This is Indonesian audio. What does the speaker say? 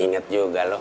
inget juga lo